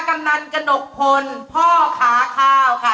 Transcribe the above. กำนันกระหนกพลพ่อค้าข้าวค่ะ